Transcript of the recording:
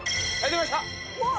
うわっ！